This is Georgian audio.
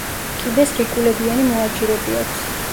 კიბეს რიკულებიანი მოაჯირები აქვს.